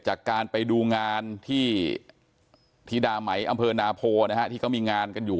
จากการไปดูงานที่ธิดาไหมอำเภอนาโพนะฮะที่เขามีงานกันอยู่